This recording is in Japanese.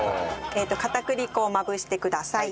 片栗粉をまぶしてください。